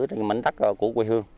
những mảnh đắc của quê hương